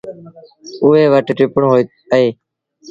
اُئي وٽ ٽپڻو اهي۔